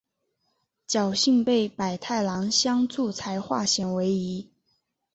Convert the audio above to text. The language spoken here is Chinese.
侥幸被百太郎相助才化险为夷。